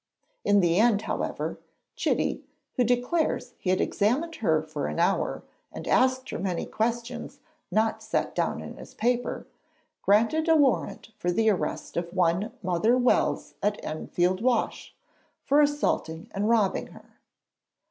In the end, however, Chitty, who declares he had examined her for an hour and asked her 'many questions not set down' in his paper, granted a warrant for the arrest of one Mother Wells at Enfield Wash, for assaulting and robbing her.